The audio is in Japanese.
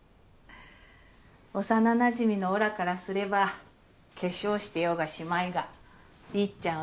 幼なじみのおらからすれば化粧してようがしまいがりっちゃん